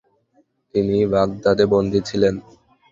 তিনি বাগদাদে বন্দী ছিলেন।